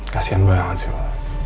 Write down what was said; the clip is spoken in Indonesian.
kasian banget sih lo